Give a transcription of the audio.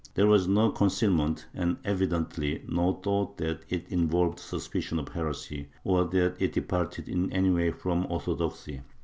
There was no concealment and evidently no thought that it involved suspicion of heresy, or that it departed in any way from orthodoxy.